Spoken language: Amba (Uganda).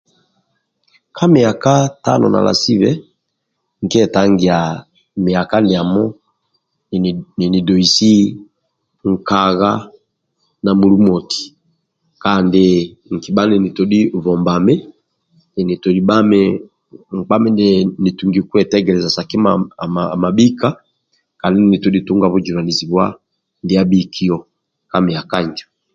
Ka myaka tano nala sibhe nkyetangia myaka ndiamo nini doisi nkagha na mulu moti kandi nkibha ninitodhi bhombami ninitodhi bhami nkpa mindia nitungi kwetegeleza sa kima amabhika kandi ninitodhi tunga bhujunanizibwa amabhika ka myaka injo